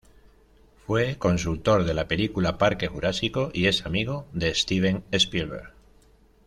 Fue consultor de la película "Parque Jurásico" y es amigo de Steven Spielberg.